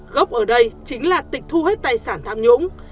gốc ở đây chính là tịch thu hết tài sản tham nhũng